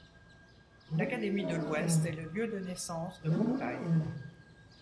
L'académie de l'ouest est le lieu de naissance de Kūkai.